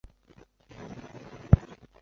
目前为斯里兰卡空军志愿军成员。